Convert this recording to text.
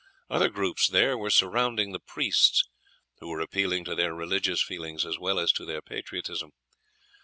Other groups there were surrounding the priests, who were appealing to their religious feelings as well as to their patriotism.